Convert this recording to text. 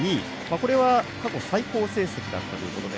これは過去最高成績だったということで。